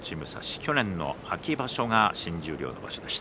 去年の秋場所が新十両でした。